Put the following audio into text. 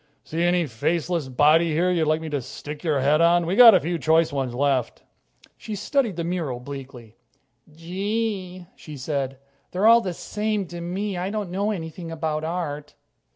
See any faceless body here you'd like me to stick your head on? We've got a few choice ones left." She studied the mural bleakly. "Gee," she said, "they're all the same to me. I don't know anything about art."